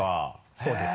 そうです。